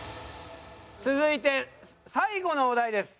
続いて最後のお題です。